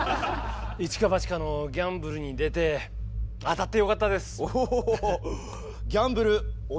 一か八かのギャンブルに出て当たってよかったです。